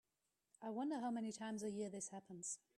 I wonder how many times a year this happens.